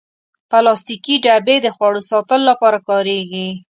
پلاستيکي ډبې د خواړو ساتلو لپاره کارېږي.